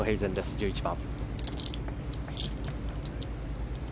１１番。